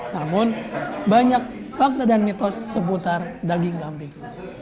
namun banyak fakta dan mitos seputar daging kambing